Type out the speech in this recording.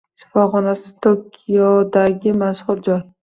shifoxonasi Tokiodagi mashhur joy